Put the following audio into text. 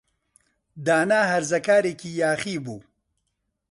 دانا هەرزەکارێکی یاخی بوو.